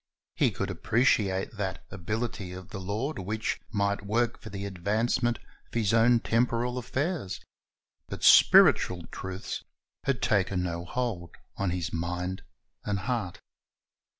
He could appreciate that ability of the Lord which might work for the advancement of his own temporal affairs; but spiritual truths had taken no hold on his mind and heart.